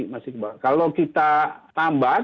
kalau kita tambat